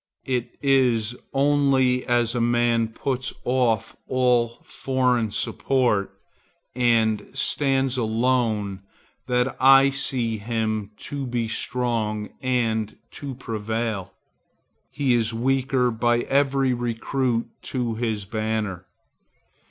It is only as a man puts off all foreign support and stands alone that I see him to be strong and to prevail. He is weaker by every recruit to his banner.